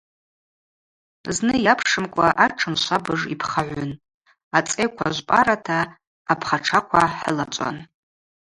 Зны йапшымкӏва атшын швабыж йпхагӏвын, ацӏайква жвпӏарата апхатшахъва хӏылачӏван.